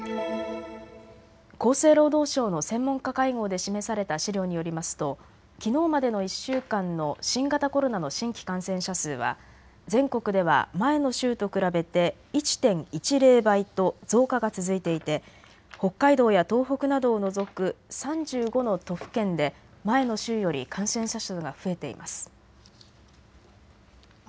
厚生労働省の専門家会合で示された資料によりますときのうまでの１週間の新型コロナの新規感染者数は全国では前の週と比べて１．１０倍と増加が続いていて北海道や東北などを除く３５の都府県で前の週より感染者数が増えています。